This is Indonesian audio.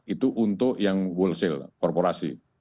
itu untuk yang wholesale korporasi